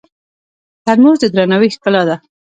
ترموز د درناوي ښکلا ده.